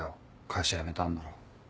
会社辞めたんなら。